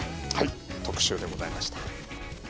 特集でございました。